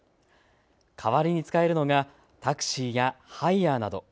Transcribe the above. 代わりに使えるのがタクシーやハイヤーなど。